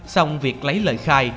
xong việc lấy lời khai